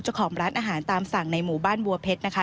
เจ้าของร้านอาหารตามสั่งในหมู่บ้านบัวเพชรนะคะ